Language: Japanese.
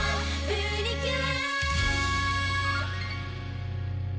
プリキュア。